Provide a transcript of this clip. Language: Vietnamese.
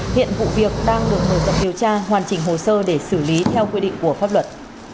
hiện vụ việc đang được mở rộng điều tra hoàn chỉnh hồ sơ để xử lý theo quy định của pháp luật